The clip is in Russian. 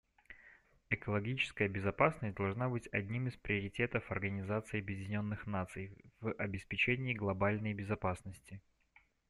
Экологическая безопасность должна быть одним из приоритетов Организации Объединенных Наций в обеспечении глобальной безопасности.